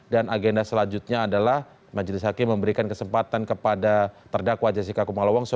dan agenda selanjutnya adalah majelis hakim memberikan kesempatan kepada terdakwa jessica kumola wongso